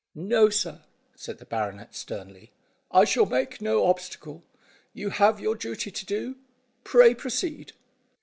"No, sir," said the baronet sternly; "I shall make no obstacle. You have your duty to do; pray proceed."